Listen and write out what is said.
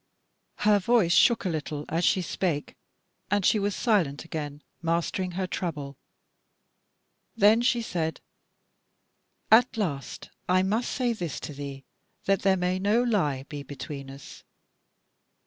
Her voice shook a little as she spake, and she was silent again, mastering her trouble. Then she said: "At last I must say this to thee, that there may no lie be between us.